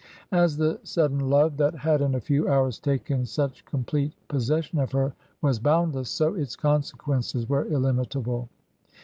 As the sudden love that had in a few hours taken such complete possession of her was boundless, so its consequences were illimitable.